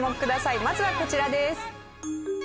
まずはこちらです。